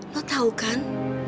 lo tau kan